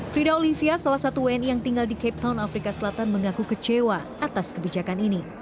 frida olivia salah satu wni yang tinggal di cape town afrika selatan mengaku kecewa atas kebijakan ini